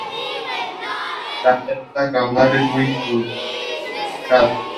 Algunas de ellas contienen dibujos en su interior.